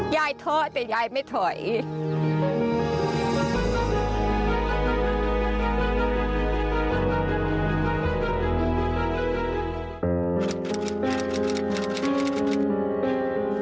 ยายทอดแต่ยายไม่ทอดอีก